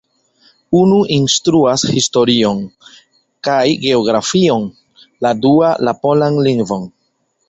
Unu instruas historion kaj geografion, la dua la polan lingvon.